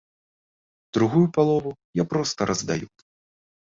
Другую палову я проста раздаю.